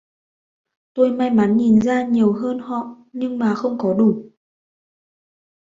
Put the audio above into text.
tôi may mắn nhìn ra nhiều hơn họ nhưng mà không có đủ